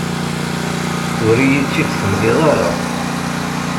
Ur iyi-tt-id-temliḍ ara.